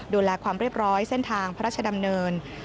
ดูแลความเรียบร้อยเส้นทางพระราชดำเนิน